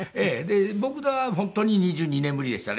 僕は本当に２２年ぶりでしたね